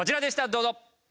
どうぞ！